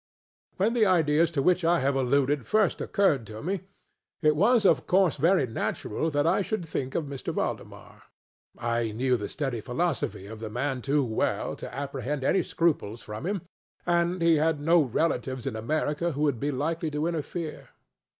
When the ideas to which I have alluded first occurred to me, it was of course very natural that I should think of M. Valdemar. I knew the steady philosophy of the man too well to apprehend any scruples from him; and he had no relatives in America who would be likely to interfere.